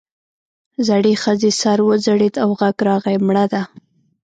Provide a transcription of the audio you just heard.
زړې ښځې سر وځړېد او غږ راغی مړه ده.